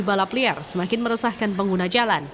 balap liar semakin meresahkan pengguna jalan